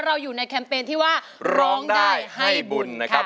เราอยู่ในแคมเปญที่ว่าร้องได้ให้บุญนะครับ